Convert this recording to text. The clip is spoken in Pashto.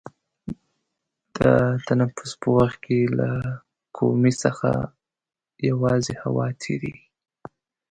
د تنفس په وخت کې له کومي څخه یوازې هوا تیرېږي.